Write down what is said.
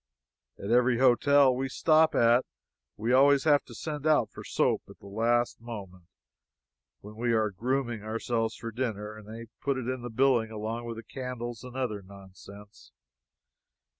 At every hotel we stop at we always have to send out for soap, at the last moment, when we are grooming ourselves for dinner, and they put it in the bill along with the candles and other nonsense.